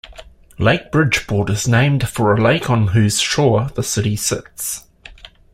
Lake Bridgeport is named for a lake on whose shore the city sits.